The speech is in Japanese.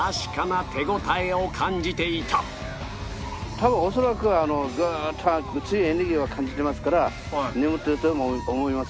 多分恐らくグーッと強いエネルギーは感じてますから眠っていると思います。